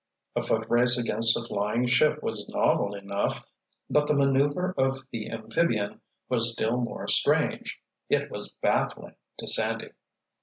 A footrace against a flying ship was novel enough; but the maneuver of the amphibian was still more strange. It was baffling to Sandy.